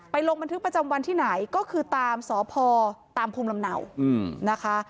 ลงบันทึกประจำวันที่ไหนก็คือตามสพตามภูมิลำเนานะคะ